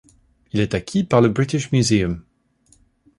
Il est acquis par le British Museum.